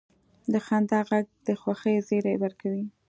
د خندا ږغ د خوښۍ زیری ورکوي.